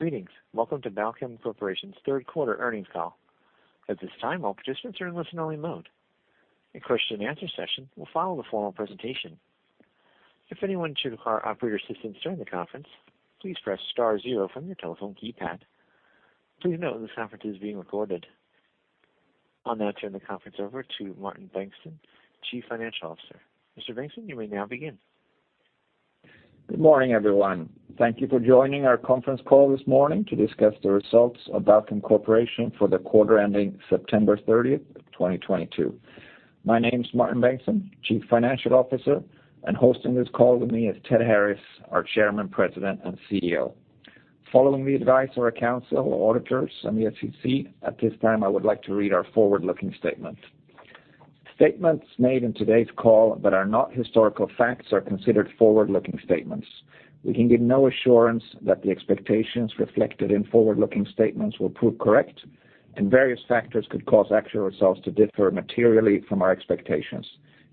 Greetings. Welcome to Balchem Corporation's third quarter earnings call. At this time, all participants are in listen-only mode. A question-and-answer session will follow the formal presentation. If anyone should require operator assistance during the conference, please press star zero from your telephone keypad. Please note this conference is being recorded. I'll now turn the conference over to Martin Bengtsson, Chief Financial Officer. Mr. Bengtsson, you may now begin. Good morning, everyone. Thank you for joining our conference call this morning to discuss the results of Balchem Corporation for the quarter ending September 30, 2022. My name is Martin Bengtsson, Chief Financial Officer, and hosting this call with me is Ted Harris, our Chairman, President, and CEO. Following the advice of our counsel, auditors, and the SEC, at this time, I would like to read our forward-looking statement. Statements made in today's call that are not historical facts are considered forward-looking statements. We can give no assurance that the expectations reflected in forward-looking statements will prove correct, and various factors could cause actual results to differ materially from our expectations,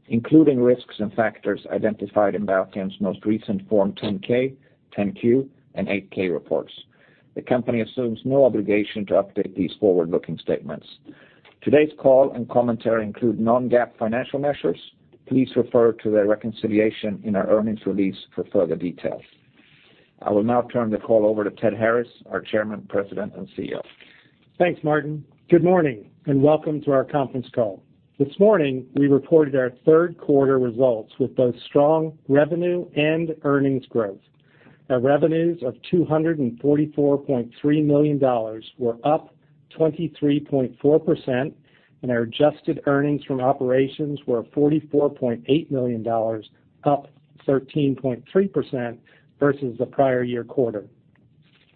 including risks and factors identified in Balchem's most recent Form 10-K, 10-Q, and 8-K reports. The company assumes no obligation to update these forward-looking statements. Today's call and commentary include non-GAAP financial measures. Please refer to their reconciliation in our earnings release for further details. I will now turn the call over to Ted Harris, our Chairman, President, and CEO. Thanks, Martin. Good morning, and welcome to our conference call. This morning, we reported our third quarter results with both strong revenue and earnings growth. Our revenues of $244.3 million were up 23.4%, and our adjusted earnings from operations were $44.8 million, up 13.3% versus the prior year quarter.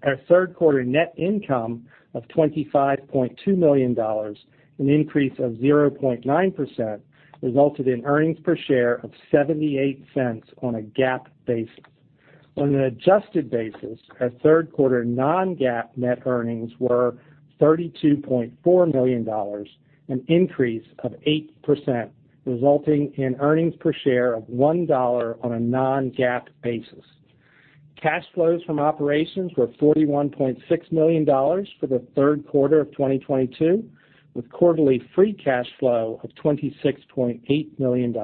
Our third quarter net income of $25.2 million, an increase of 0.9%, resulted in earnings per share of $0.78 on a GAAP basis. On an adjusted basis, our third quarter non-GAAP net earnings were $32.4 million, an increase of 8%, resulting in earnings per share of $1 on a non-GAAP basis. Cash flows from operations were $41.6 million for the third quarter of 2022, with quarterly free cash flow of $26.8 million.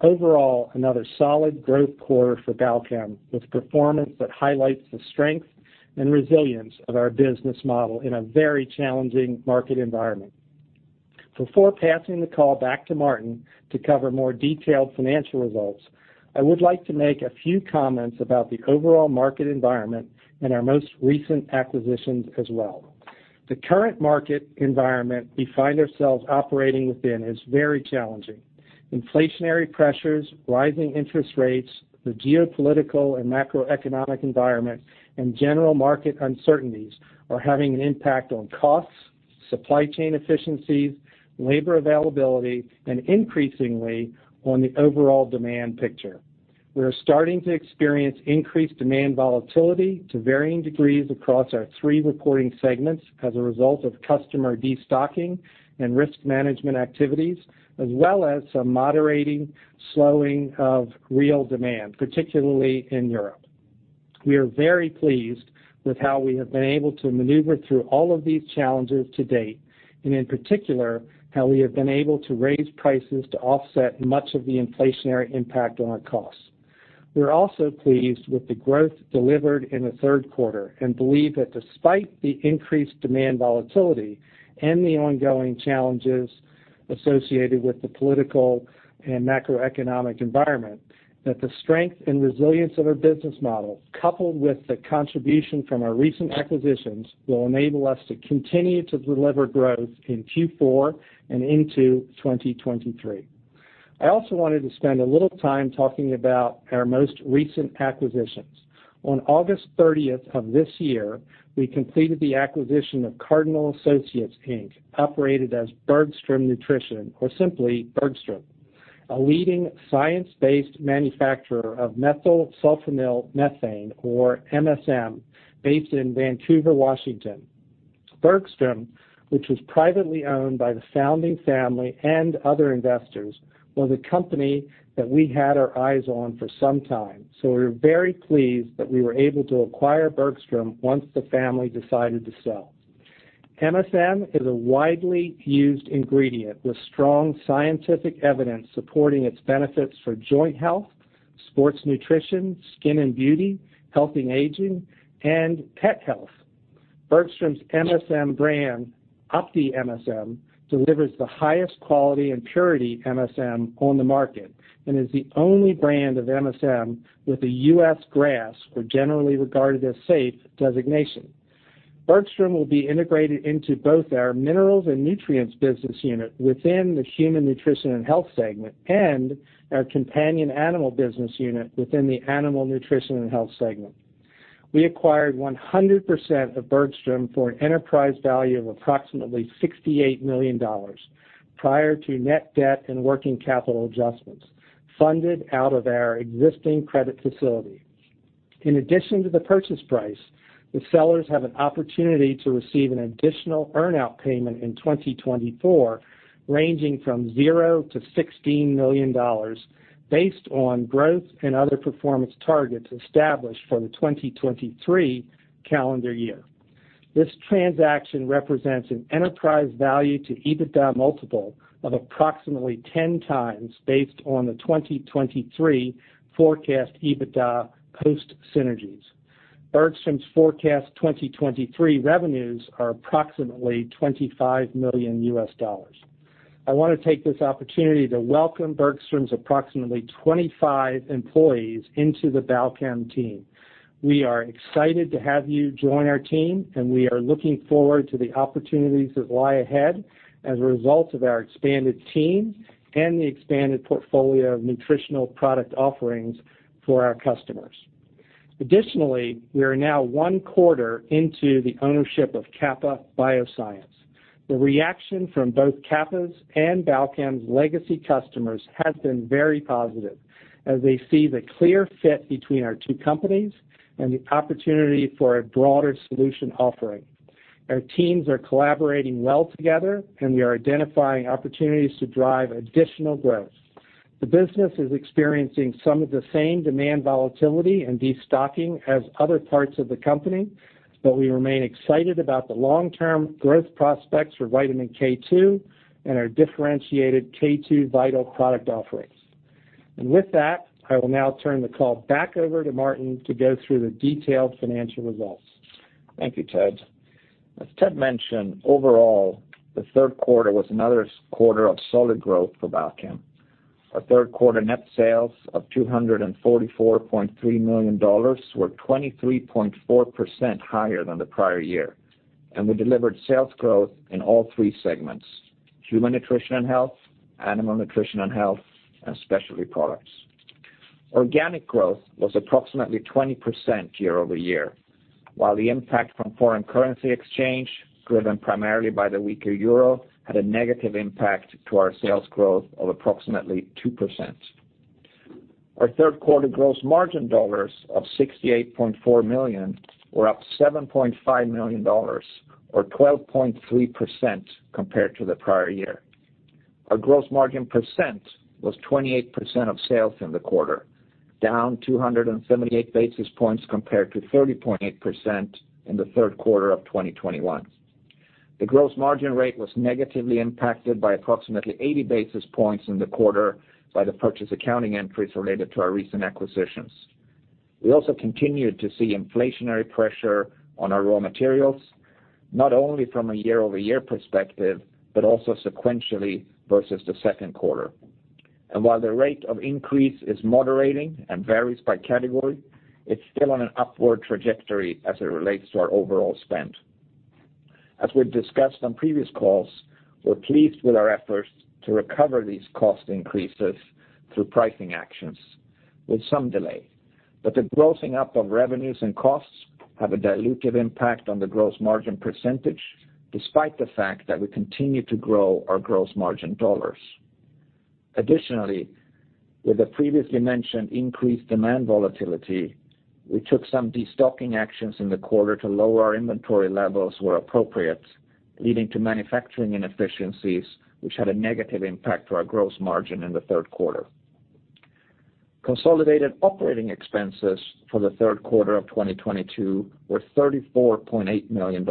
Overall, another solid growth quarter for Balchem, with performance that highlights the strength and resilience of our business model in a very challenging market environment. Before passing the call back to Martin to cover more detailed financial results, I would like to make a few comments about the overall market environment and our most recent acquisitions as well. The current market environment we find ourselves operating within is very challenging. Inflationary pressures, rising interest rates, the geopolitical and macroeconomic environment, and general market uncertainties are having an impact on costs, supply chain efficiencies, labor availability, and increasingly on the overall demand picture. We are starting to experience increased demand volatility to varying degrees across our three reporting segments as a result of customer destocking and risk management activities, as well as some moderating slowing of real demand, particularly in Europe. We are very pleased with how we have been able to maneuver through all of these challenges to date, and in particular, how we have been able to raise prices to offset much of the inflationary impact on our costs. We're also pleased with the growth delivered in the third quarter and believe that despite the increased demand volatility and the ongoing challenges associated with the political and macroeconomic environment, that the strength and resilience of our business model, coupled with the contribution from our recent acquisitions, will enable us to continue to deliver growth in Q4 and into 2023. I also wanted to spend a little time talking about our most recent acquisitions. On August 30th of this year, we completed the acquisition of Cardinal Associates Inc, operated as Bergstrom Nutrition or simply Bergstrom, a leading science-based manufacturer of methylsulfonylmethane or MSM, based in Vancouver, Washington. Bergstrom, which was privately owned by the founding family and other investors, was a company that we had our eyes on for some time, so we're very pleased that we were able to acquire Bergstrom once the family decided to sell. MSM is a widely used ingredient with strong scientific evidence supporting its benefits for joint health, sports nutrition, skin and beauty, healthy aging, and pet health. Bergstrom's MSM brand, OptiMSM, delivers the highest quality and purity MSM on the market and is the only brand of MSM with a U.S. GRAS or Generally Recognized As Safe designation. Bergstrom will be integrated into both our Minerals and Nutrients business unit within the Human Nutrition and Health segment and our Companion Animal business unit within the Animal Nutrition and Health segment. We acquired 100% of Bergstrom for an enterprise value of approximately $68 million prior to net debt and working capital adjustments funded out of our existing credit facility. In addition to the purchase price, the sellers have an opportunity to receive an additional earn-out payment in 2024 ranging from $0-$16 million based on growth and other performance targets established for the 2023 calendar year. This transaction represents an enterprise value to EBITDA multiple of approximately 10x based on the 2023 forecast EBITDA post synergies. Bergstrom's forecast 2023 revenues are approximately $25 million. I wanna take this opportunity to welcome Bergstrom's approximately 25 employees into the Balchem team. We are excited to have you join our team, and we are looking forward to the opportunities that lie ahead as a result of our expanded team and the expanded portfolio of nutritional product offerings for our customers. Additionally, we are now one quarter into the ownership of Kappa Bioscience. The reaction from both Kappa's and Balchem's legacy customers has been very positive as they see the clear fit between our two companies and the opportunity for a broader solution offering. Our teams are collaborating well together, and we are identifying opportunities to drive additional growth. The business is experiencing some of the same demand volatility and destocking as other parts of the company, but we remain excited about the long-term growth prospects for vitamin K2 and our differentiated K2VITAL product offerings. With that, I will now turn the call back over to Martin to go through the detailed financial results. Thank you, Ted. As Ted mentioned, overall, the third quarter was another solid quarter of solid growth for Balchem. Our third quarter net sales of $244.3 million were 23.4% higher than the prior year, and we delivered sales growth in all three segments: Human Nutrition and Health, Animal Nutrition and Health, and Specialty Products. Organic growth was approximately 20% year-over-year, while the impact from foreign currency exchange, driven primarily by the weaker euro, had a negative impact to our sales growth of approximately 2%. Our third quarter gross margin dollars of $68.4 million were up $7.5 million, or 12.3% compared to the prior year. Our gross margin percent was 28% of sales in the quarter, down 278 basis points compared to 30.8% in the third quarter of 2021. The gross margin rate was negatively impacted by approximately 80 basis points in the quarter by the purchase accounting entries related to our recent acquisitions. We also continued to see inflationary pressure on our raw materials, not only from a year-over-year perspective, but also sequentially versus the second quarter. While the rate of increase is moderating and varies by category, it's still on an upward trajectory as it relates to our overall spend. As we've discussed on previous calls, we're pleased with our efforts to recover these cost increases through pricing actions with some delay. The grossing up of revenues and costs have a dilutive impact on the gross margin percentage, despite the fact that we continue to grow our gross margin dollars. Additionally, with the previously mentioned increased demand volatility, we took some destocking actions in the quarter to lower our inventory levels where appropriate, leading to manufacturing inefficiencies, which had a negative impact to our gross margin in the third quarter. Consolidated operating expenses for the third quarter of 2022 were $34.8 million,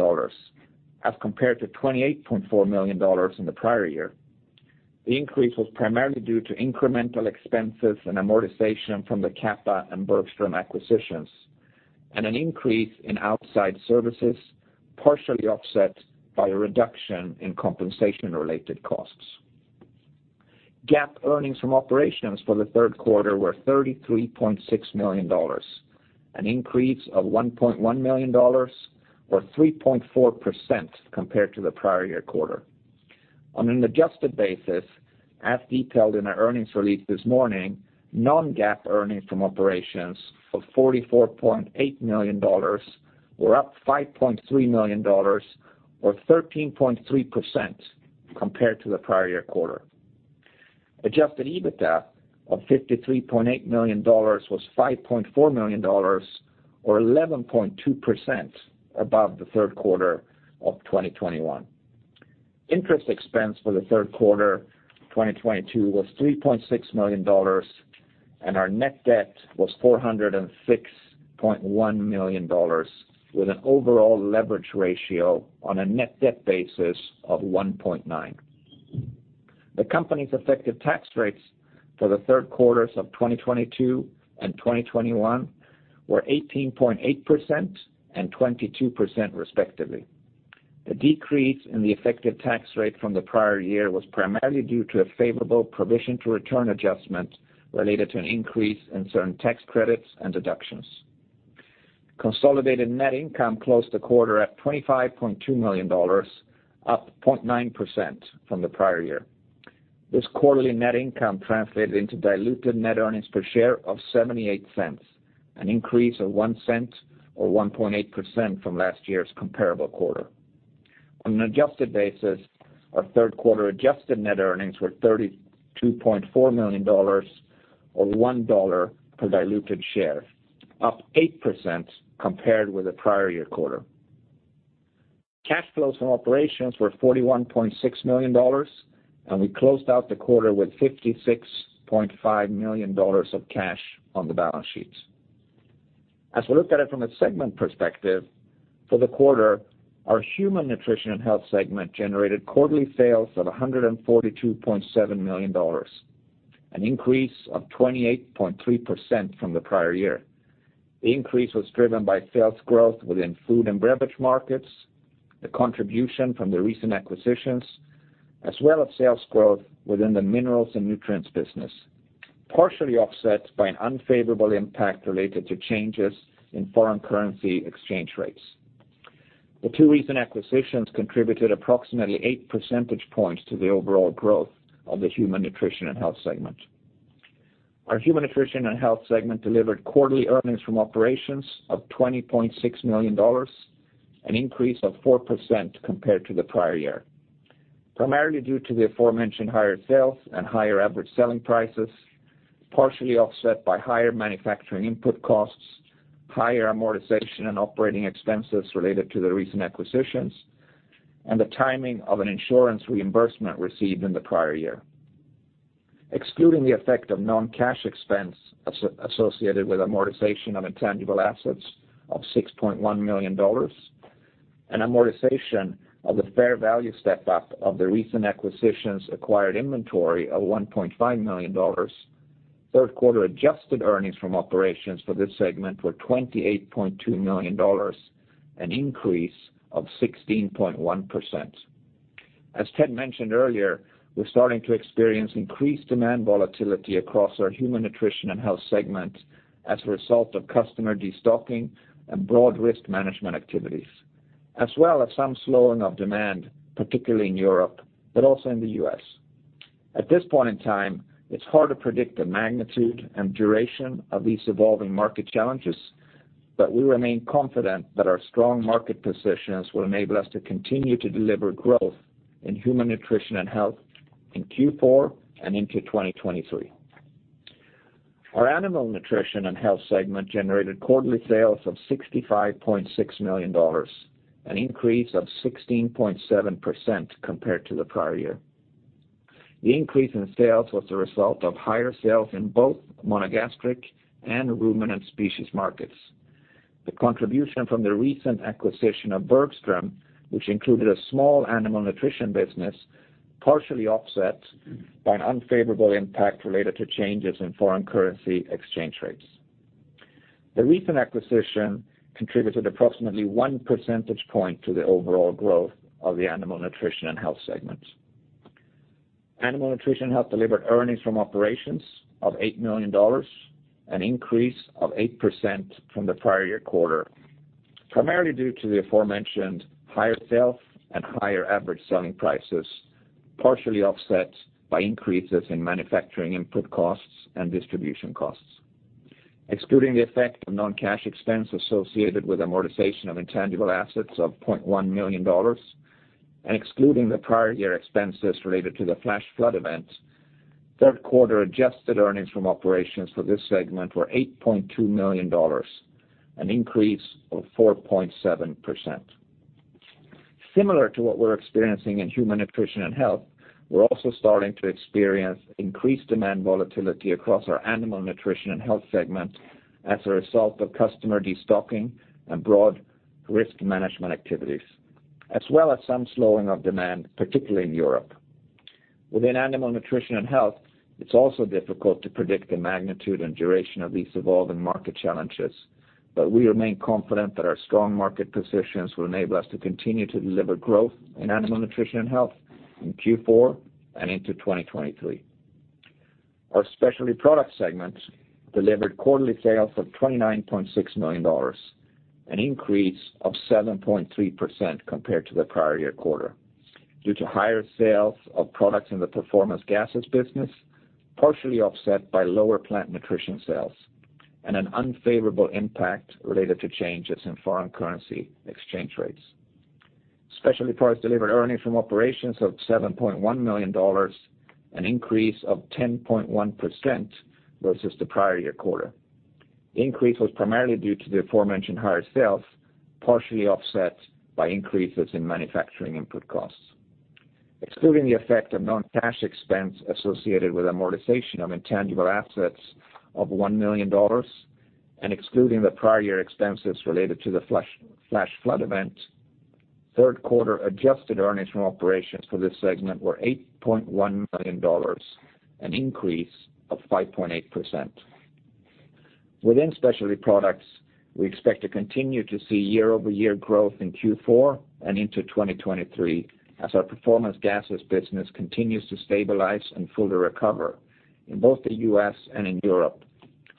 as compared to $28.4 million in the prior year. The increase was primarily due to incremental expenses and amortization from the Kappa and Bergstrom acquisitions and an increase in outside services, partially offset by a reduction in compensation-related costs. GAAP earnings from operations for the third quarter were $33.6 million, an increase of $1.1 million or 3.4% compared to the prior year quarter. On an adjusted basis, as detailed in our earnings release this morning, non-GAAP earnings from operations of $44.8 million were up $5.3 million or 13.3% compared to the prior year quarter. Adjusted EBITDA of $53.8 million was $5.4 million or 11.2% above the third quarter of 2021. Interest expense for the third quarter 2022 was $3.6 million, and our net debt was $406.1 million, with an overall leverage ratio on a net debt basis of 1.9. The company's effective tax rates for the third quarters of 2022 and 2021 were 18.8% and 22% respectively. The decrease in the effective tax rate from the prior year was primarily due to a favorable provision to return adjustment related to an increase in certain tax credits and deductions. Consolidated net income closed the quarter at $25.2 million, up 0.9% from the prior year. This quarterly net income translated into diluted net earnings per share of $0.78, an increase of $0.01 or 1.8% from last year's comparable quarter. On an adjusted basis, our third quarter adjusted net earnings were $32.4 million or $1 per diluted share, up 8% compared with the prior year quarter. Cash flows from operations were $41.6 million. We closed out the quarter with $56.5 million of cash on the balance sheets. As we look at it from a segment perspective, for the quarter, our Human Nutrition and Health segment generated quarterly sales of $142.7 million, an increase of 28.3% from the prior year. The increase was driven by sales growth within food and beverage markets, the contribution from the recent acquisitions, as well as sales growth within the Minerals and Nutrients business, partially offset by an unfavorable impact related to changes in foreign currency exchange rates. The two recent acquisitions contributed approximately 8 percentage points to the overall growth of the Human Nutrition and Health segment. Our Human Nutrition and Health segment delivered quarterly earnings from operations of $20.6 million, an increase of 4% compared to the prior year, primarily due to the aforementioned higher sales and higher average selling prices, partially offset by higher manufacturing input costs, higher amortization and operating expenses related to the recent acquisitions, and the timing of an insurance reimbursement received in the prior year. Excluding the effect of non-cash expense associated with amortization of intangible assets of $6.1 million and amortization of the fair value step-up of the recent acquisitions acquired inventory of $1.5 million, third quarter adjusted earnings from operations for this segment were $28.2 million, an increase of 16.1%. As Ted mentioned earlier, we're starting to experience increased demand volatility across our Human Nutrition and Health segment as a result of customer destocking and broad risk management activities, as well as some slowing of demand, particularly in Europe, but also in the U.S. At this point in time, it's hard to predict the magnitude and duration of these evolving market challenges, but we remain confident that our strong market positions will enable us to continue to deliver growth in Human Nutrition and Health in Q4 and into 2023. Our Animal Nutrition and Health segment generated quarterly sales of $65.6 million, an increase of 16.7% compared to the prior year. The increase in sales was the result of higher sales in both monogastric and ruminant species markets. The contribution from the recent acquisition of Bergstrom, which included a small animal nutrition business, partially offset by an unfavorable impact related to changes in foreign currency exchange rates. The recent acquisition contributed approximately 1 percentage point to the overall growth of the Animal Nutrition and Health segment. Animal Nutrition and Health delivered earnings from operations of $8 million, an increase of 8% from the prior year quarter, primarily due to the aforementioned higher sales and higher average selling prices, partially offset by increases in manufacturing input costs and distribution costs. Excluding the effect of non-cash expense associated with amortization of intangible assets of $0.1 million and excluding the prior year expenses related to the flash flood event, third quarter adjusted earnings from operations for this segment were $8.2 million, an increase of 4.7%. Similar to what we're experiencing in Human Nutrition and Health, we're also starting to experience increased demand volatility across our Animal Nutrition and Health segment as a result of customer destocking and broad risk management activities, as well as some slowing of demand, particularly in Europe. Within Animal Nutrition and Health, it's also difficult to predict the magnitude and duration of these evolving market challenges, but we remain confident that our strong market positions will enable us to continue to deliver growth in Animal Nutrition and Health in Q4 and into 2023. Our Specialty Products segment delivered quarterly sales of $29.6 million, an increase of 7.3% compared to the prior year quarter due to higher sales of products in the Performance Gases business, partially offset by lower Plant Nutrition sales and an unfavorable impact related to changes in foreign currency exchange rates. Specialty Products delivered earnings from operations of $7.1 million, an increase of 10.1% versus the prior year quarter. The increase was primarily due to the aforementioned higher sales, partially offset by increases in manufacturing input costs. Excluding the effect of non-cash expense associated with amortization of intangible assets of $1 million and excluding the prior year expenses related to the flash flood event, third quarter adjusted earnings from operations for this segment were $8.1 million, an increase of 5.8%. Within Specialty Products, we expect to continue to see year-over-year growth in Q4 and into 2023 as our Performance Gases business continues to stabilize and fully recover in both the U.S. and in Europe,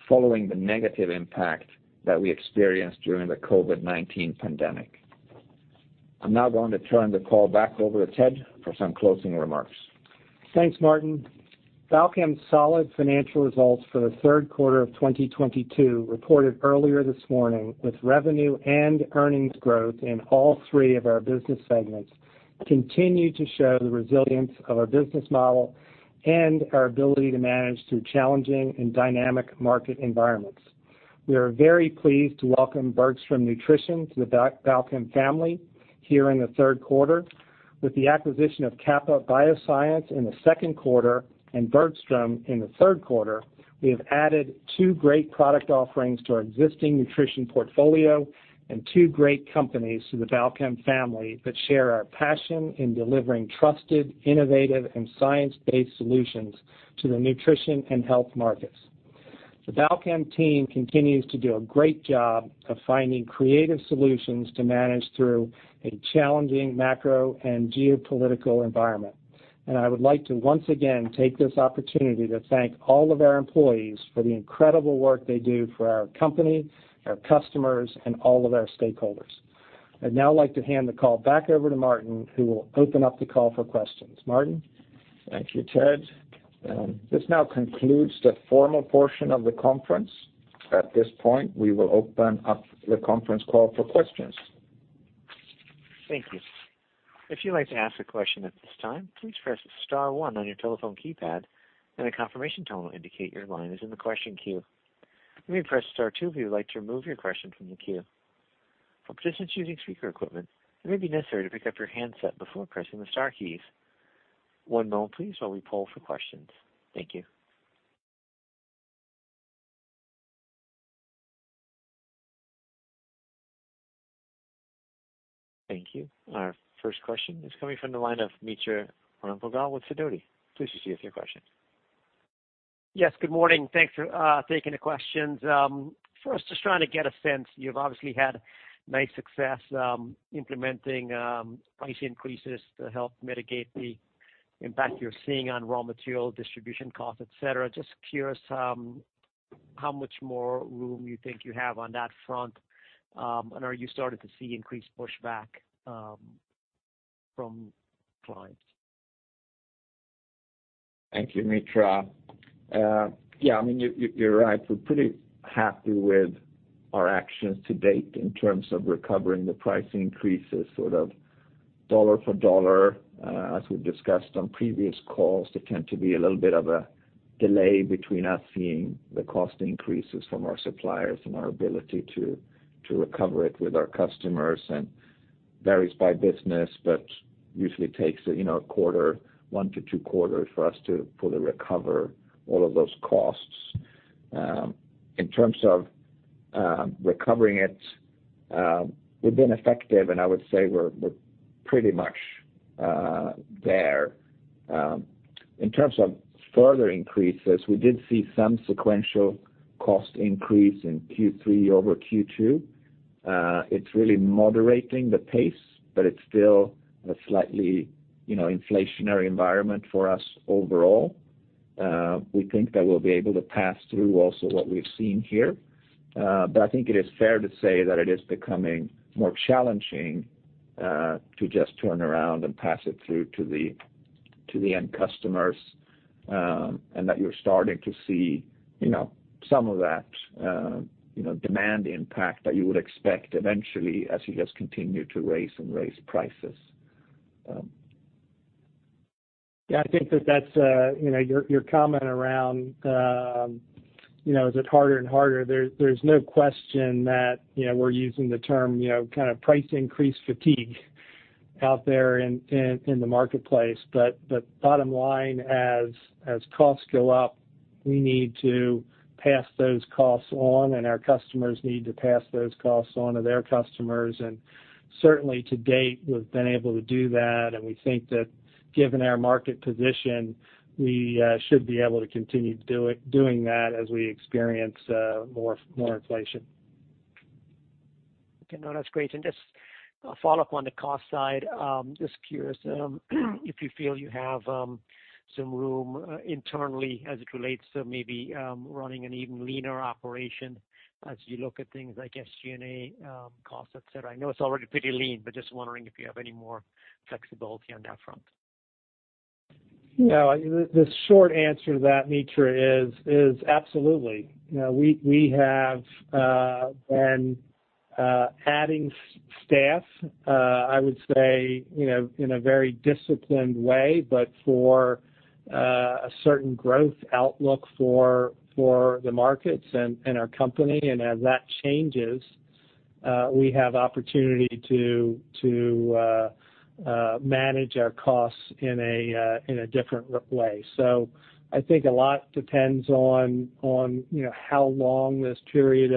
following the negative impact that we experienced during the COVID-19 pandemic. I'm now going to turn the call back over to Ted for some closing remarks. Thanks, Martin. Balchem's solid financial results for the third quarter of 2022 reported earlier this morning with revenue and earnings growth in all three of our business segments continue to show the resilience of our business model and our ability to manage through challenging and dynamic market environments. We are very pleased to welcome Bergstrom Nutrition to the Balchem family here in the third quarter. With the acquisition of Kappa Bioscience in the second quarter and Bergstrom in the third quarter, we have added two great product offerings to our existing nutrition portfolio and two great companies to the Balchem family that share our passion in delivering trusted, innovative and science-based solutions to the nutrition and health markets. The Balchem team continues to do a great job of finding creative solutions to manage through a challenging macro and geopolitical environment. I would like to once again take this opportunity to thank all of our employees for the incredible work they do for our company, our customers, and all of our stakeholders. I'd now like to hand the call back over to Martin, who will open up the call for questions. Martin? Thank you, Ted. This now concludes the formal portion of the conference. At this point, we will open up the conference call for questions. Thank you. If you'd like to ask a question at this time, please press star one on your telephone keypad, and a confirmation tone will indicate your line is in the question queue. You may press star two if you would like to remove your question from the queue. For participants using speaker equipment, it may be necessary to pick up your handset before pressing the star keys. One moment please while we poll for questions. Thank you. Thank you. Our first question is coming from the line of Mitra Ramgopal with Sidoti. Please proceed with your question. Yes, good morning. Thanks for taking the questions. First, just trying to get a sense, you've obviously had nice success implementing price increases to help mitigate the impact you're seeing on raw material distribution costs, et cetera. Just curious, how much more room you think you have on that front, and are you starting to see increased pushback from clients? Thank you, Mitra. Yeah, I mean, you're right. We're pretty happy with our actions to date in terms of recovering the price increases sort of dollar for dollar. As we've discussed on previous calls, there tend to be a little bit of a delay between us seeing the cost increases from our suppliers and our ability to recover it with our customers and varies by business, but usually takes, you know, a quarter, one to two quarters for us to fully recover all of those costs. In terms of recovering it, we've been effective, and I would say we're pretty much there. In terms of further increases, we did see some sequential cost increase in Q3 over Q2. It's really moderating the pace, but it's still a slightly, you know, inflationary environment for us overall. We think that we'll be able to pass through also what we've seen here. I think it is fair to say that it is becoming more challenging to just turn around and pass it through to the end customers, and that you're starting to see, you know, some of that, you know, demand impact that you would expect eventually as you just continue to raise prices. Yeah, I think that's, you know, your comment around, you know, is it harder and harder? There's no question that, you know, we're using the term, you know, kind of price increase fatigue out there in the marketplace. But bottom line, as costs go up, we need to pass those costs on, and our customers need to pass those costs on to their customers. Certainly to date, we've been able to do that. We think that given our market position, we should be able to continue to do it, doing that as we experience more inflation. Okay. No, that's great. Just a follow-up on the cost side, just curious, if you feel you have some room internally as it relates to maybe running an even leaner operation as you look at things like SG&A costs, et cetera. I know it's already pretty lean, but just wondering if you have any more flexibility on that front. No, the short answer to that, Mitra, is absolutely. You know, we have been adding staff, I would say, you know, in a very disciplined way, but for a certain growth outlook for the markets and our company, and as that changes, we have opportunity to manage our costs in a different way. I think a lot depends on, you know, how long this period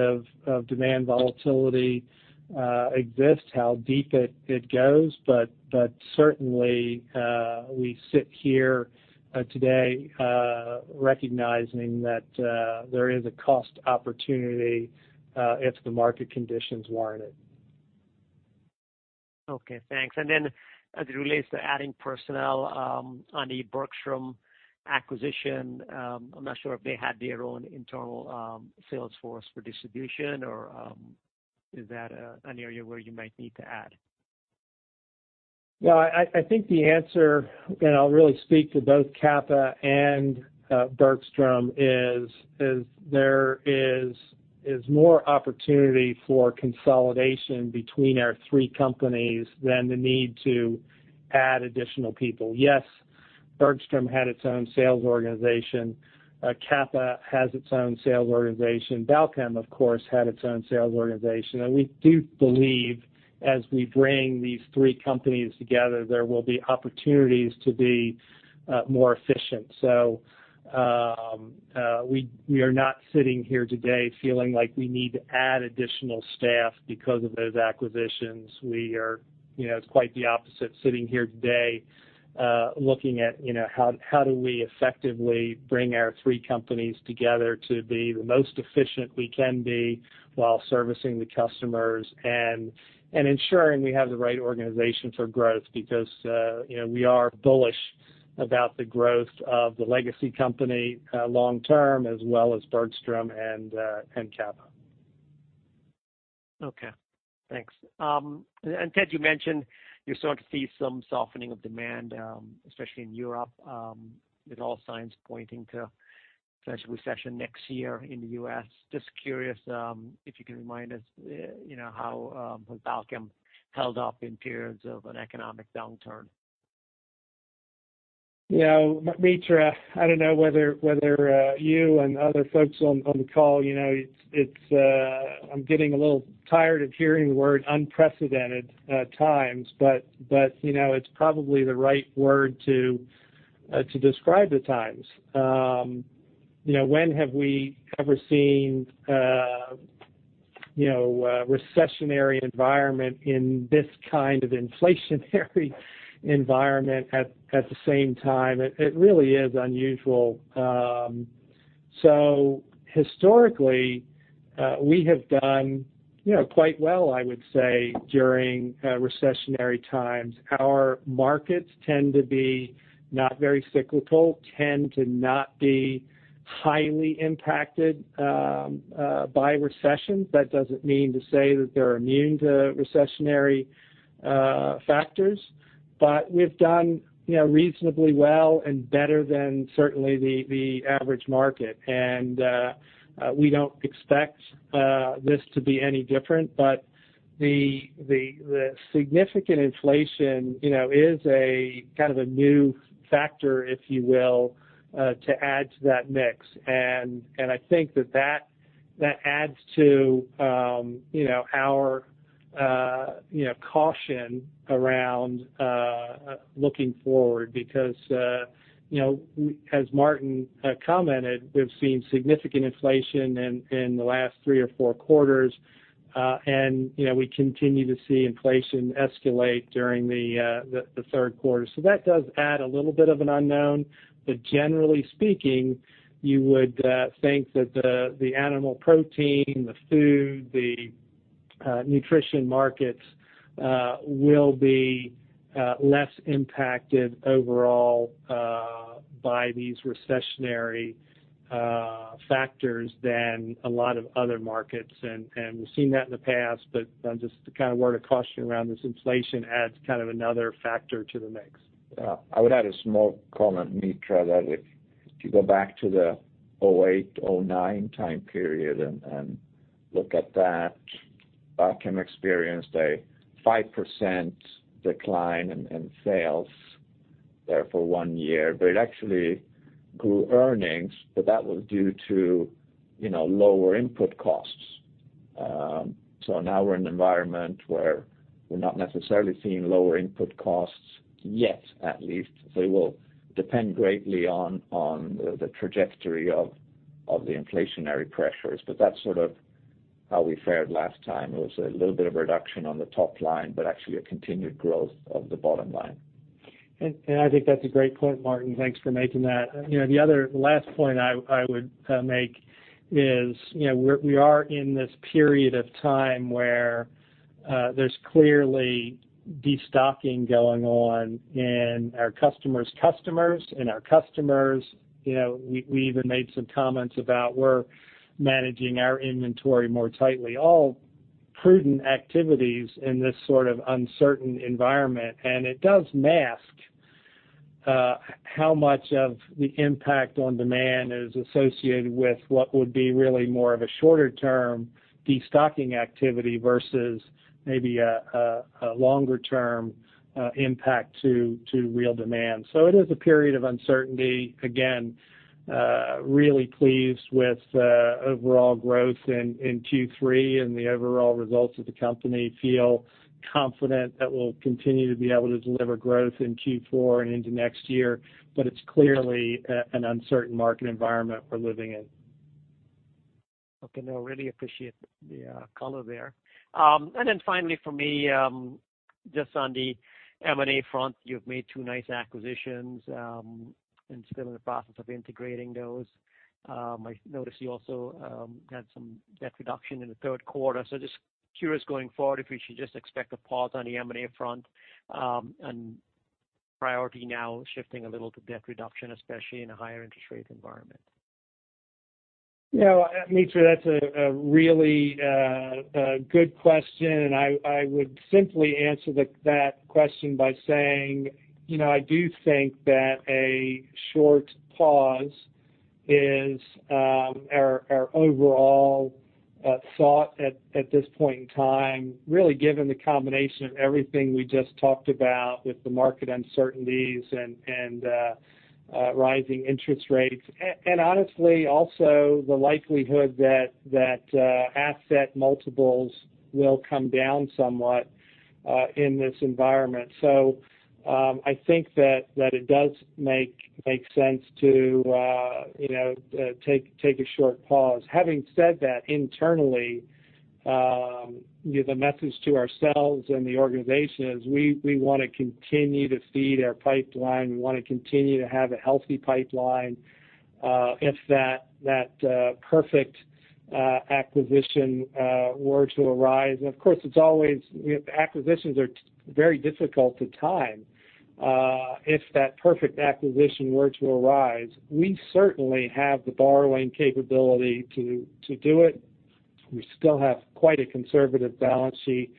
of demand volatility exists, how deep it goes. Certainly, we sit here today, recognizing that there is a cost opportunity, if the market conditions warrant it. Okay, thanks. Then as it relates to adding personnel, on the Bergstrom acquisition, I'm not sure if they had their own internal sales force for distribution or is that an area where you might need to add? I think the answer, and I'll really speak to both Kappa and Bergstrom, is there is more opportunity for consolidation between our three companies than the need to add additional people. Yes, Bergstrom had its own sales organization. Kappa has its own sales organization. Balchem, of course, had its own sales organization. We do believe as we bring these three companies together, there will be opportunities to be more efficient. We are not sitting here today feeling like we need to add additional staff because of those acquisitions. We are, you know, it's quite the opposite sitting here today, looking at, you know, how do we effectively bring our three companies together to be the most efficient we can be while servicing the customers and ensuring we have the right organization for growth. Because, you know, we are bullish about the growth of the legacy company, long term, as well as Bergstrom and Kappa. Okay. Thanks. Ted, you mentioned you're starting to see some softening of demand, especially in Europe, with all signs pointing to potential recession next year in the U.S. Just curious, if you can remind us, you know, how has Balchem held up in periods of an economic downturn? You know, Mitra, I don't know whether you and other folks on the call, you know, I'm getting a little tired of hearing the word unprecedented times, but you know, it's probably the right word to describe the times. You know, when have we ever seen you know, a recessionary environment in this kind of inflationary environment at the same time? It really is unusual. Historically, we have done you know, quite well, I would say, during recessionary times. Our markets tend to be not very cyclical, tend to not be highly impacted by recession. That doesn't mean to say that they're immune to recessionary factors, but we've done you know, reasonably well and better than certainly the average market. We don't expect this to be any different. The significant inflation, you know, is a kind of a new factor, if you will, to add to that mix. I think that adds to, you know, our, you know, caution around looking forward. You know, as Martin commented, we've seen significant inflation in the last three or four quarters, and, you know, we continue to see inflation escalate during the third quarter. That does add a little bit of an unknown. Generally speaking, you would think that the animal protein, the food, the nutrition markets will be less impacted overall by these recessionary factors than a lot of other markets. We've seen that in the past, but just a kind of word of caution around this inflation adds kind of another factor to the mix. Yeah. I would add a small comment, Mitra, that if you go back to the 2008, 2009 time period and look at that, Balchem experienced a 5% decline in sales there for one year, but it actually grew earnings, but that was due to, you know, lower input costs. Now we're in an environment where we're not necessarily seeing lower input costs, yet, at least. They will depend greatly on the trajectory of the inflationary pressures. That's sort of how we fared last time. It was a little bit of reduction on the top line, but actually a continued growth of the bottom line. I think that's a great point, Martin. Thanks for making that. You know, the other last point I would make is, you know, we are in this period of time where there's clearly destocking going on in our customers' customers and our customers. You know, we even made some comments about we're managing our inventory more tightly, all prudent activities in this sort of uncertain environment. It does mask how much of the impact on demand is associated with what would be really more of a shorter-term destocking activity versus maybe a longer-term impact to real demand. It is a period of uncertainty. Again, really pleased with overall growth in Q3 and the overall results of the company. Feel confident that we'll continue to be able to deliver growth in Q4 and into next year. It's clearly an uncertain market environment we're living in. Okay. No, really appreciate the color there. Finally for me, just on the M&A front. You've made two nice acquisitions, and still in the process of integrating those. I notice you also had some debt reduction in the third quarter. Just curious going forward, if we should just expect a pause on the M&A front, and priority now shifting a little to debt reduction, especially in a higher interest rate environment. You know, Mitra, that's a really good question, and I would simply answer that question by saying, you know, I do think that a short pause is our overall thought at this point in time, really given the combination of everything we just talked about, with the market uncertainties and rising interest rates. And honestly also the likelihood that asset multiples will come down somewhat in this environment. I think that it does make sense to, you know, take a short pause. Having said that, internally, you know, the message to ourselves and the organization is we wanna continue to feed our pipeline. We wanna continue to have a healthy pipeline. If that perfect acquisition were to arise. Of course, it's always, you know, acquisitions are very difficult to time. If that perfect acquisition were to arise, we certainly have the borrowing capability to do it. We still have quite a conservative balance sheet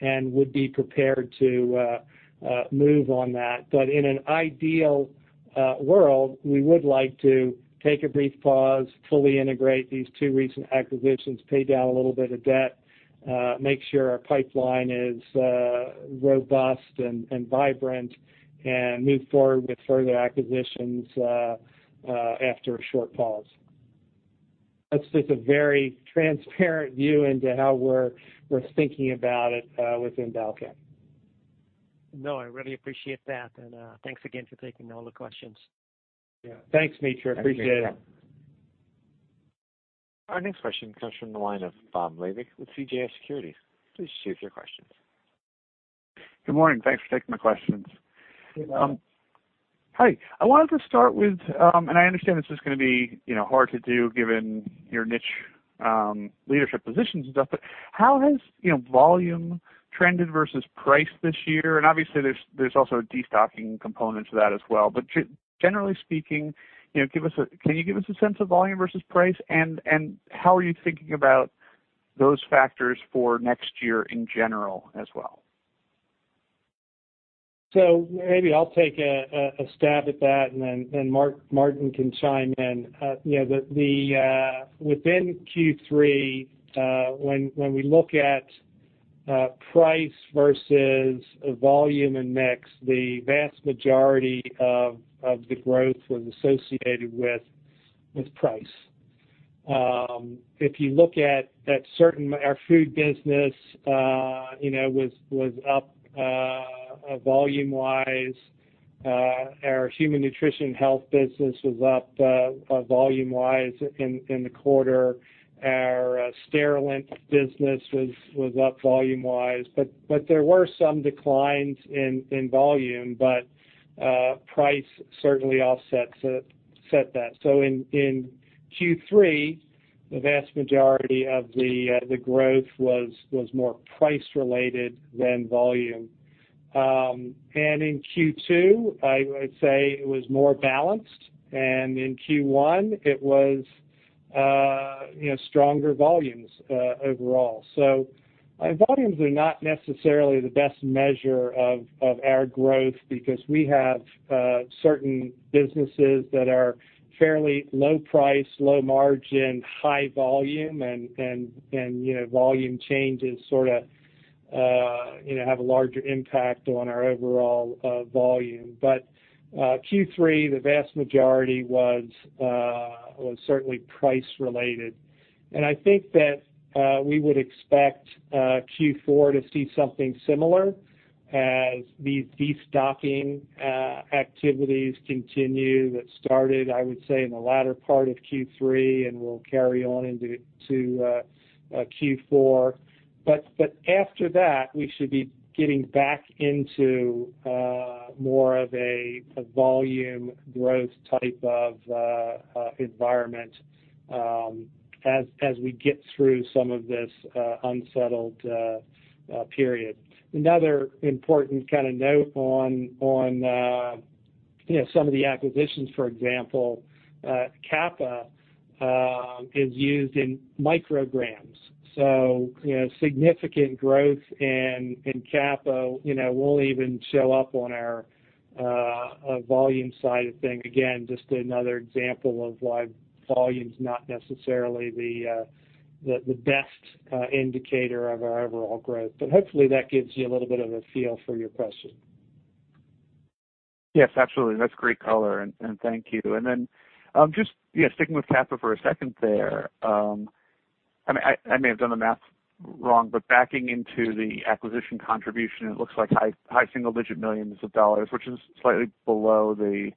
and would be prepared to move on that. In an ideal world, we would like to take a brief pause, fully integrate these two recent acquisitions, pay down a little bit of debt, make sure our pipeline is robust and vibrant, and move forward with further acquisitions after a short pause. That's just a very transparent view into how we're thinking about it within Balchem. No, I really appreciate that, and, thanks again for taking all the questions. Yeah. Thanks, Mitra. Appreciate it. Thanks, Mitra. Our next question comes from the line of Bob Labick with CJS Securities. Please proceed with your questions. Good morning. Thanks for taking my questions. Good morning. Hi. I wanted to start with, and I understand this is gonna be, you know, hard to do given your niche leadership positions and stuff. How has, you know, volume trended versus price this year? Obviously there's also a destocking component to that as well. Generally speaking, you know, can you give us a sense of volume versus price? How are you thinking about those factors for next year in general as well? Maybe I'll take a stab at that, and then Martin can chime in. You know, within Q3, when we look at price versus volume and mix, the vast majority of the growth was associated with price. If you look at our food business, you know, was up volume-wise. Our human nutrition health business was up volume-wise in the quarter. Our Sterilant business was up volume-wise. There were some declines in volume, but price certainly offset that. In Q3, the vast majority of the growth was more price related than volume. In Q2, I would say it was more balanced, and in Q1 it was, you know, stronger volumes overall. Volumes are not necessarily the best measure of our growth because we have certain businesses that are fairly low price, low margin, high volume. You know, volume changes sorta, you know, have a larger impact on our overall volume. Q3, the vast majority was certainly price related. I think that we would expect Q4 to see something similar as these destocking activities continue that started, I would say, in the latter part of Q3 and will carry on into Q4. After that, we should be getting back into more of a volume growth type of environment as we get through some of this unsettled period. Another important kind of note on, you know, some of the acquisitions, for example, Kappa is used in micrograms. You know, significant growth in Kappa, you know, won't even show up on our volume side of things. Again, just another example of why volume's not necessarily the best indicator of our overall growth. Hopefully that gives you a little bit of a feel for your question. Yes, absolutely. That's great color, and thank you. Just, yeah, sticking with Kappa for a second there. I mean, I may have done the math wrong, but backing into the acquisition contribution, it looks like high single-digit millions of dollars, which is slightly below the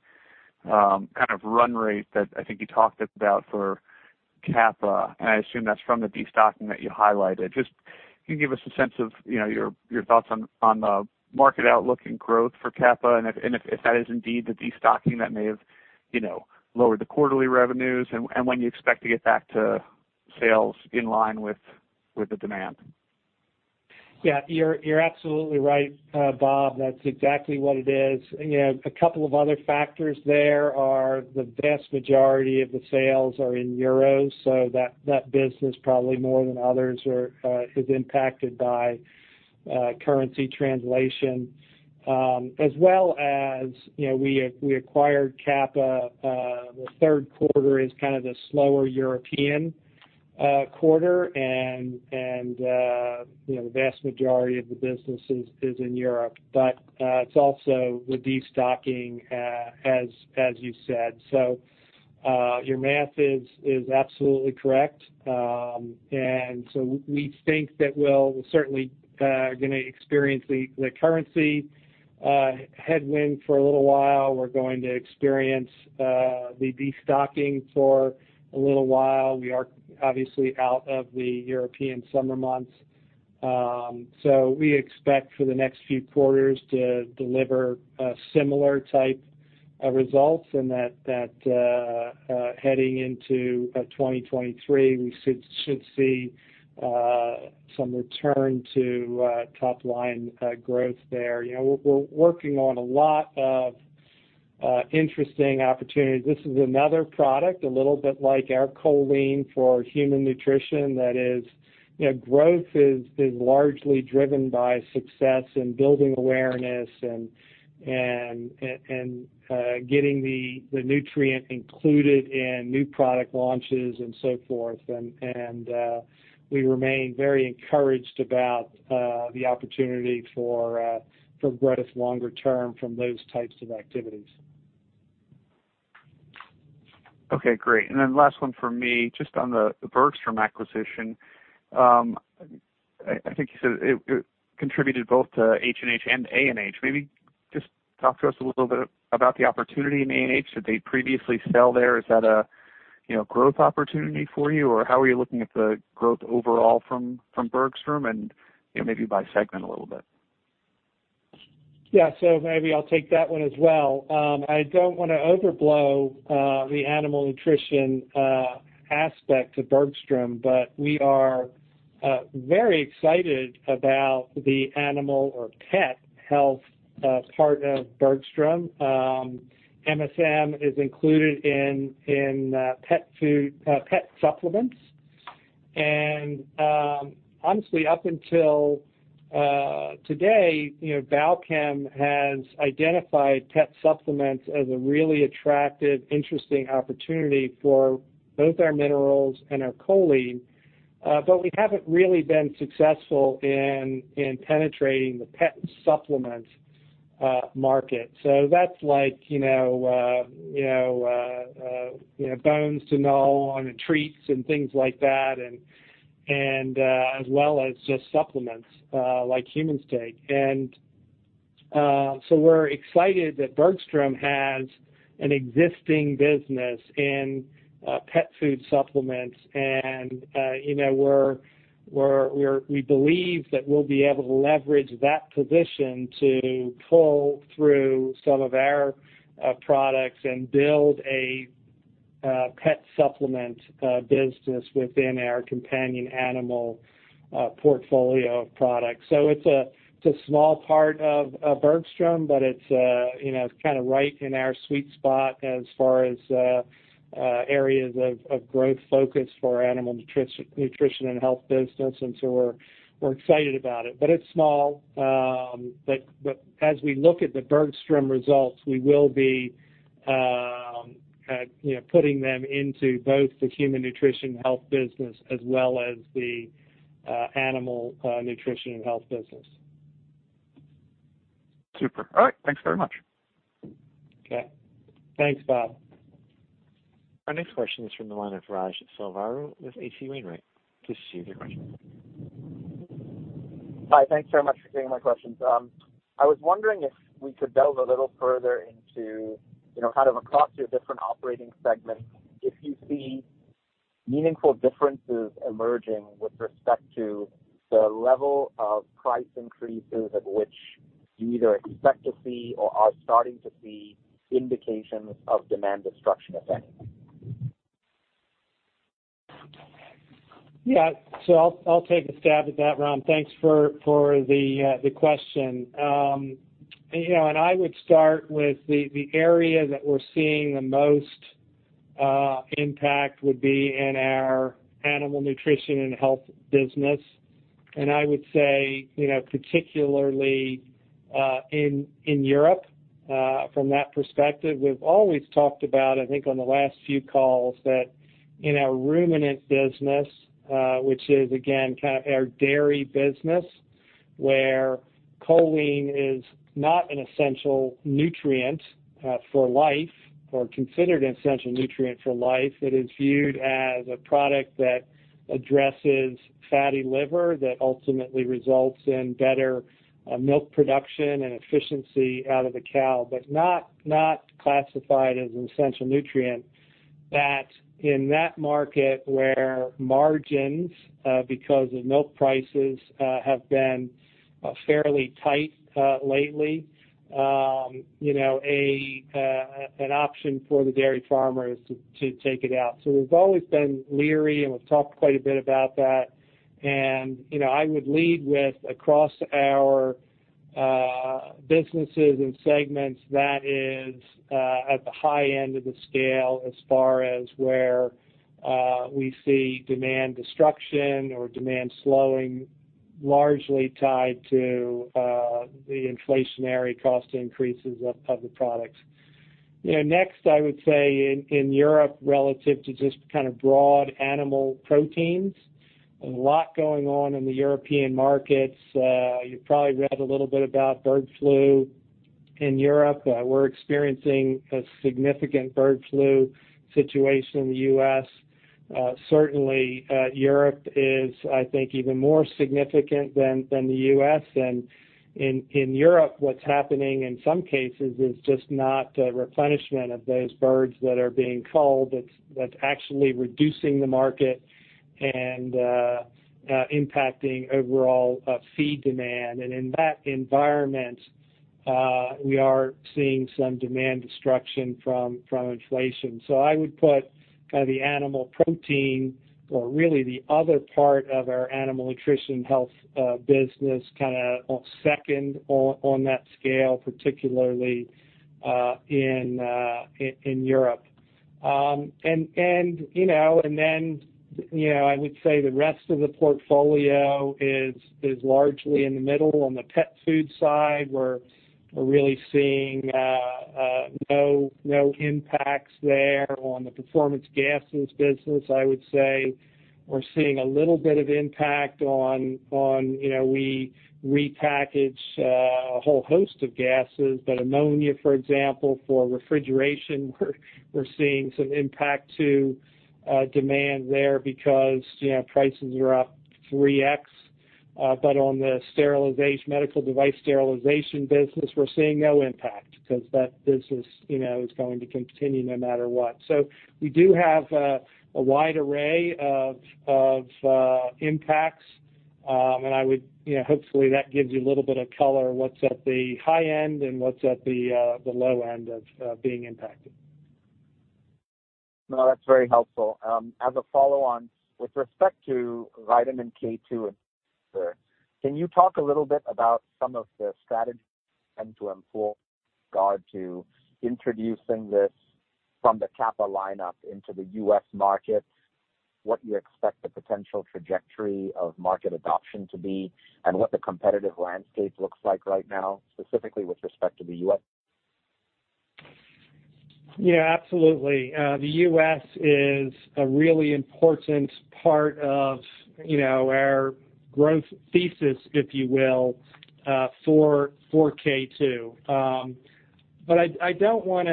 kind of run rate that I think you talked about for Kappa. I assume that's from the destocking that you highlighted. Just can you give us a sense of, you know, your thoughts on the market outlook and growth for Kappa, and if that is indeed the destocking that may have, you know, lowered the quarterly revenues, and when you expect to get back to sales in line with the demand? You're absolutely right, Bob. That's exactly what it is. You know, a couple of other factors there are the vast majority of the sales are in euros, so that business probably more than others is impacted by currency translation. As well as, you know, we acquired Kappa, the third quarter is kind of the slower European quarter and, you know, the vast majority of the businesses is in Europe. It's also the destocking, as you said. Your math is absolutely correct. We think that we'll certainly gonna experience the currency headwind for a little while. We're going to experience the destocking for a little while. We are obviously out of the European summer months. We expect for the next few quarters to deliver similar type results, and that heading into 2023, we should see some return to top line growth there. You know, we're working on a lot of interesting opportunities. This is another product, a little bit like our choline for human nutrition that is, you know, growth is largely driven by success in building awareness and getting the nutrient included in new product launches and so forth. We remain very encouraged about the opportunity for growth longer term from those types of activities. Okay, great. Last one from me, just on the Bergstrom acquisition. I think you said it contributed both to H&H and A&H. Maybe just talk to us a little bit about the opportunity in A&H. Did they previously sell there? Is that a, you know, growth opportunity for you? Or how are you looking at the growth overall from Bergstrom and, you know, maybe by segment a little bit? Yeah. Maybe I'll take that one as well. I don't wanna overblow the animal nutrition aspect to Bergstrom, but we are very excited about the animal or pet health part of Bergstrom. MSM is included in pet food, pet supplements. Honestly, up until today, you know, Balchem has identified pet supplements as a really attractive, interesting opportunity for both our minerals and our choline, but we haven't really been successful in penetrating the pet supplement market. That's like, you know, bones to gnaw on and treats and things like that and as well as just supplements like humans take. We're excited that Bergstrom has an existing business in pet food supplements and you know, we believe that we'll be able to leverage that position to pull through some of our products and build a pet supplement business within our Companion Animal portfolio of products. It's a small part of Bergstrom, but it's you know, it's kinda right in our sweet spot as far as areas of growth focus for our Animal Nutrition and Health business, and we're excited about it. But it's small. But as we look at the Bergstrom results, we will be you know, putting them into both the human nutrition health business as well as the Animal Nutrition and Health business. Super. All right. Thanks very much. Okay. Thanks, Bob. Our next question is from the line of Raghuram Selvaraju with H.C. Wainwright & Co. Just queue your question. Hi. Thanks very much for taking my questions. I was wondering if we could delve a little further into, you know, kind of across your different operating segments, if you see meaningful differences emerging with respect to the level of price increases at which you either expect to see or are starting to see indications of demand destruction effect? I'll take a stab at that, Ram. Thanks for the question. You know, I would start with the area that we're seeing the most impact would be in our Animal Nutrition and Health business. I would say, you know, particularly in Europe from that perspective. We've always talked about, I think on the last few calls, that in our ruminant business, which is again kind of our dairy business, where choline is not an essential nutrient for life or considered an essential nutrient for life. It is viewed as a product that addresses fatty liver that ultimately results in better milk production and efficiency out of the cow, but not classified as an essential nutrient. That in that market where margins, because of milk prices, have been fairly tight lately, you know, an option for the dairy farmer is to take it out. We've always been leery, and we've talked quite a bit about that. You know, I would lead with across our businesses and segments, that is, at the high end of the scale as far as where we see demand destruction or demand slowing, largely tied to the inflationary cost increases of the products. You know, next, I would say in Europe relative to just kind of broad animal proteins, a lot going on in the European markets. You probably read a little bit about bird flu in Europe. We're experiencing a significant bird flu situation in the U.S. Certainly, Europe is, I think, even more significant than the U.S. In Europe, what's happening in some cases is just not a replenishment of those birds that are being culled. That's actually reducing the market and impacting overall feed demand. In that environment, we are seeing some demand destruction from inflation. I would put kind of the animal protein or really the other part of our animal nutrition health business kinda on second on that scale, particularly in Europe. You know, and then, you know, I would say the rest of the portfolio is largely in the middle. On the pet food side, we're really seeing no impacts there. On the Performance Gases business, I would say we're seeing a little bit of impact on you know, we repackage a whole host of gases. But ammonia, for example, for refrigeration, we're seeing some impact to demand there because you know, prices are up 3x. On the sterilization medical device sterilization business, we're seeing no impact because that business, you know, is going to continue no matter what. We do have a wide array of impacts. You know, hopefully, that gives you a little bit of color what's at the high end and what's at the low end of being impacted. No, that's very helpful. As a follow-on, with respect to vitamin K2, can you talk a little bit about some of the strategy to employ with regard to introducing this from the Kappa lineup into the U.S. market, what you expect the potential trajectory of market adoption to be, and what the competitive landscape looks like right now, specifically with respect to the U.S.? Yeah, absolutely. The U.S. is a really important part of, you know, our growth thesis, if you will, for K2. But I don't want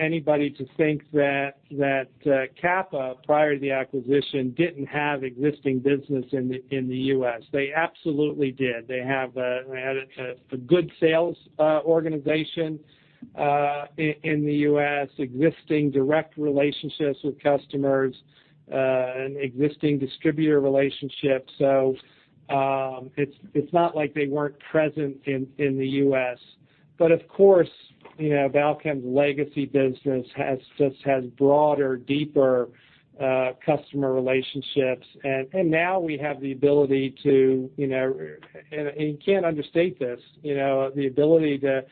anybody to think that Kappa, prior to the acquisition, didn't have existing business in the U.S. They absolutely did. They had a good sales organization in the U.S., existing direct relationships with customers, and existing distributor relationships. It's not like they weren't present in the U.S. But of course, you know, Balchem's legacy business has just broader, deeper customer relationships. Now we have the ability to, you know. I can't understate this, you know, the ability to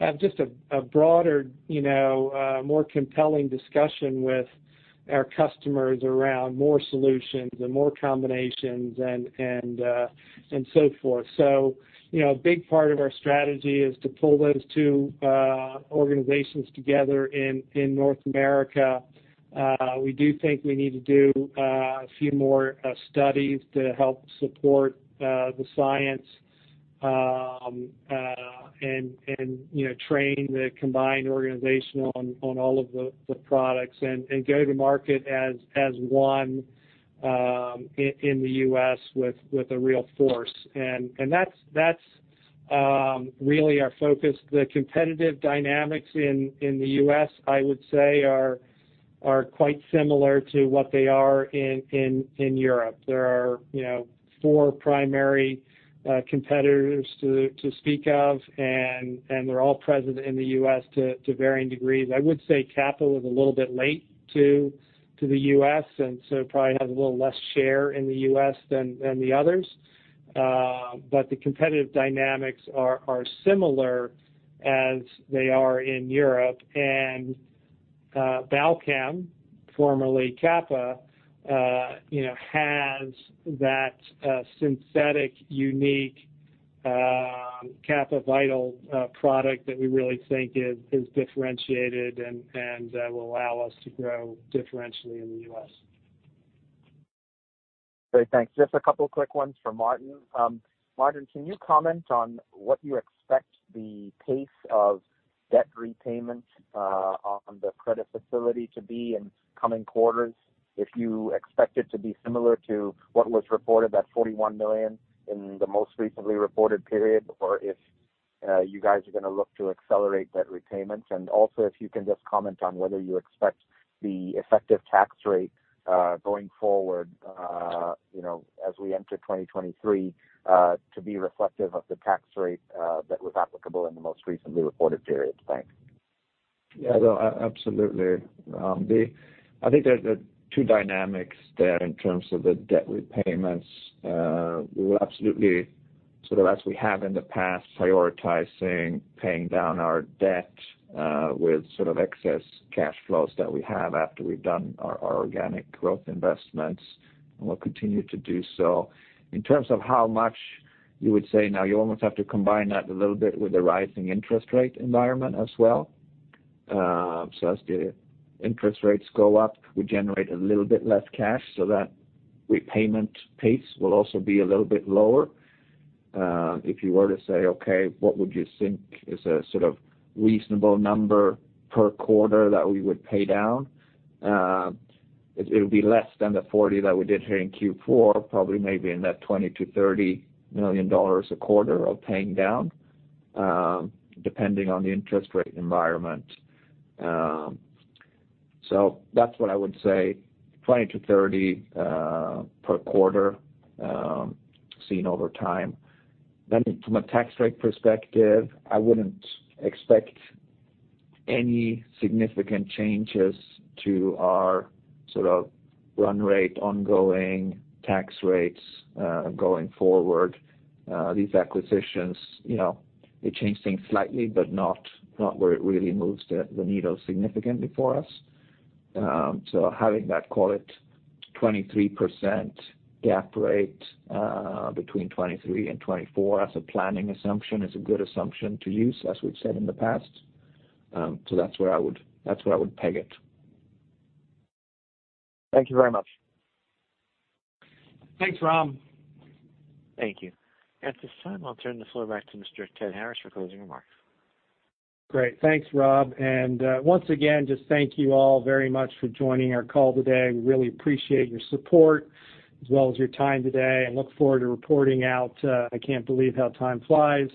have just a broader, you know, more compelling discussion with our customers around more solutions and more combinations and so forth. You know, a big part of our strategy is to pull those two organizations together in North America. We do think we need to do a few more studies to help support the science and train the combined organization on all of the products and go to market as one in the U.S. with a real force. That's really our focus. The competitive dynamics in the US, I would say are quite similar to what they are in Europe. There are, you know, four primary competitors to speak of, and they're all present in the U.S. to varying degrees. I would say Kappa was a little bit late to the U.S., and so probably has a little less share in the U.S. than the others. The competitive dynamics are similar as they are in Europe. Balchem, formerly Kappa, you know, has that synthetic, unique K2VITAL product that we really think is differentiated and will allow us to grow differentially in the U.S. Great. Thanks. Just a couple quick ones for Martin. Martin, can you comment on what you expect the pace of debt repayment on the credit facility to be in coming quarters? If you expect it to be similar to what was reported, that $41 million in the most recently reported period, or if you guys are gonna look to accelerate that repayment? Also, if you can just comment on whether you expect the effective tax rate going forward, you know, as we enter 2023, to be reflective of the tax rate that was applicable in the most recently reported period? Thanks. Yeah. No, absolutely. I think there's two dynamics there in terms of the debt repayments. We will absolutely, sort of as we have in the past, prioritizing paying down our debt with sort of excess cash flows that we have after we've done our organic growth investments, and we'll continue to do so. In terms of how much. You would say now you almost have to combine that a little bit with the rising interest rate environment as well. As the interest rates go up, we generate a little bit less cash so that repayment pace will also be a little bit lower. If you were to say, okay, what would you think is a sort of reasonable number per quarter that we would pay down? It'll be less than the 40 that we did here in Q4, probably maybe in that $20 million-$30 million a quarter of paying down, depending on the interest rate environment. That's what I would say, $20 million-$30 million per quarter, seen over time. From a tax rate perspective, I wouldn't expect any significant changes to our sort of run rate ongoing tax rates, going forward. These acquisitions, you know, they change things slightly, but not where it really moves the needle significantly for us. Having that call it 23% GAAP rate, between 2023 and 2024 as a planning assumption is a good assumption to use, as we've said in the past. That's where I would peg it. Thank you very much. Thanks, Ram. Thank you. At this time, I'll turn the floor back to Mr. Ted Harris for closing remarks. Great. Thanks, Rob. Once again, just thank you all very much for joining our call today. We really appreciate your support as well as your time today, and look forward to reporting out, I can't believe how time flies,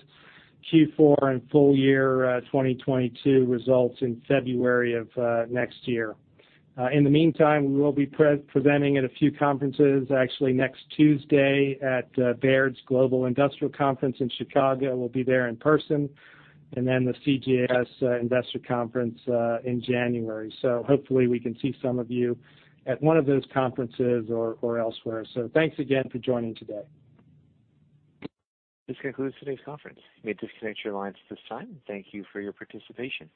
Q4 and full year 2022 results in February of next year. In the meantime, we will be presenting at a few conferences, actually next Tuesday at Baird's Global Industrial Conference in Chicago. We'll be there in person. The CJS Investor Conference in January. Hopefully we can see some of you at one of those conferences or elsewhere. Thanks again for joining today. This concludes today's conference. You may disconnect your lines at this time. Thank you for your participation.